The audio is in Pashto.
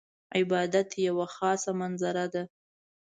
عبادت یوه خاضه منظره ده .